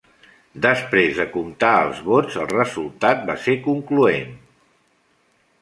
Després de comptar els vots, el resultat va ser concloents.